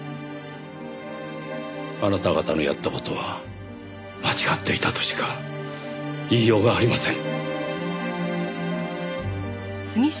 あなた方のやった事は間違っていたとしか言いようがありません。